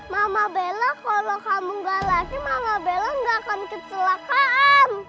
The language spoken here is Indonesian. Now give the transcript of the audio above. mama bella kalau kamu gak laki mama bella gak akan kecelakaan